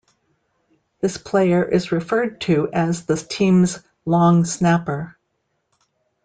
This player is referred to as the team's long snapper.